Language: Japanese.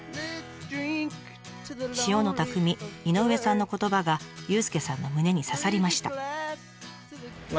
塩の匠井上さんの言葉が佑介さんの胸に刺さりました。